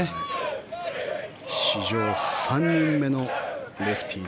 史上３人目のレフティー